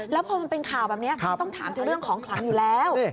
แล้วพอมันเป็นข่าวแบบนี้ต้องถามเธอเรื่องของขลังอยู่แล้ว